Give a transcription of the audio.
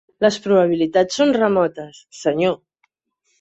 "Les probabilitats són remotes, senyor."